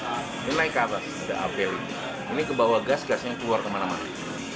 ini naik ke atas ini ke bawah gas gasnya keluar kemana mana